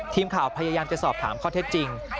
ทีมข่าวพยายามจะสอบถามข้อเท็จจริง